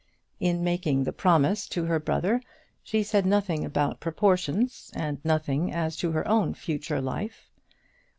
In making the promise to her brother she said nothing about proportions, and nothing as to her own future life.